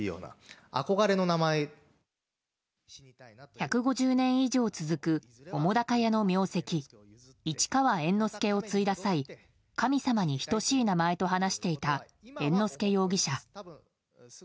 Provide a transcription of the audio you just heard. １５０年以上続く澤瀉屋の名跡市川猿之助を継いだ際神様に等しい名前と話していた猿之助容疑者。